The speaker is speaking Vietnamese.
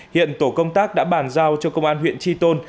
hiện tổ công tác đã bàn giao cho công an huyện tri tôn